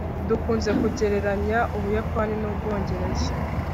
dukunze kugereranya ubuyapani n'ubwongereza